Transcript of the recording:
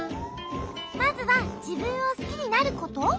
まずはじぶんをすきになること？